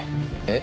え？